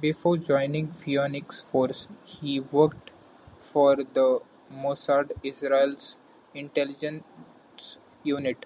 Before joining Phoenix Force, he worked for the Mossad, Israel's intelligence unit.